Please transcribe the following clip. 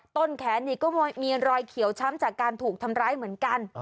ต้นแขนนี่ก็มีรอยเขียวช้ำจากการถูกทำร้ายเหมือนกัน